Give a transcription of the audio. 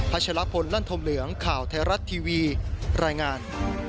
ชะลพลลั่นธมเหลืองข่าวไทยรัฐทีวีรายงาน